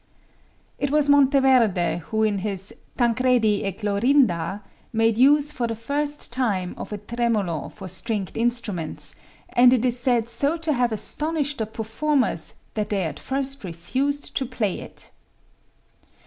It was Monteverde who in his "Tancredi e Clorinda" made use for the first time of a tremolo for stringed instruments, and it is said so to have astonished the performers that they at first refused to play it.